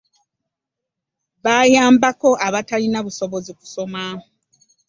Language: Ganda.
Bayambako abatalina busobozi okusoma